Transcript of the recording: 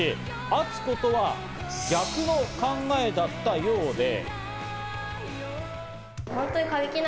アツコとは逆の考えだったようで。